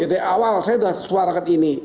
dari awal saya sudah suarakan ini